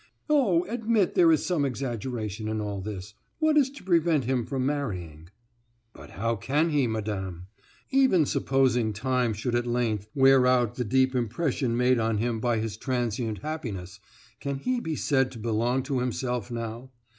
"Oh, admit there is some exaggeration in all this. What is to prevent him from marrying?" "But how can he, madame? Even supposing time should at length wear out the deep impression made on him by his transient happiness, can he be said to belong to himself now?